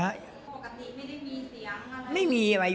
คุณพี่สมบูรณ์สังขทิบ